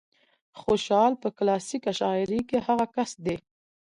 خوشال په کلاسيکه شاعرۍ کې هغه کس دى